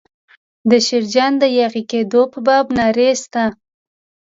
د شیرجان د یاغي کېدو په باب نارې شته.